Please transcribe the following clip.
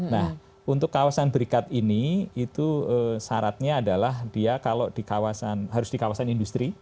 nah untuk kawasan berikat ini itu syaratnya adalah dia kalau di kawasan harus di kawasan industri